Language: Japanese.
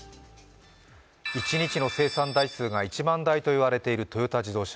一日の生産台数が１万台と言われているトヨタ自動車。